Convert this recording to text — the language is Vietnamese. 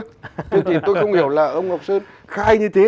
thì tôi không hiểu là ông ngọc sơn khai như thế